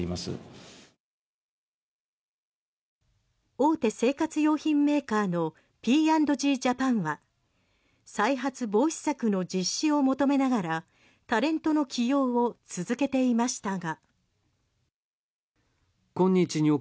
大手生活用品メーカーのＰ＆Ｇジャパンは再発防止策の実施を求めながらタレントの起用を続けていましたが。